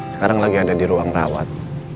sekarang lagi ada di ruang rawat